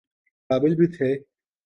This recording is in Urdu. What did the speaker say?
قابل بھی تھے۔